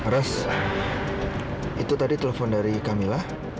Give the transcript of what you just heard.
res itu tadi telepon dari kamila